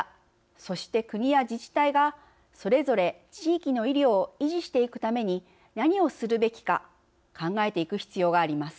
そして国や自治体がそれぞれ地域の医療を維持していくために何をするべきか考えていく必要があります。